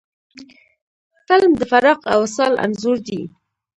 فلم د فراق او وصال انځور دی